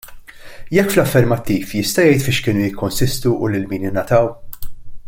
Jekk fl-affermattiv, jista' jgħid fiex kienu jikkonsistu u lil min ingħataw?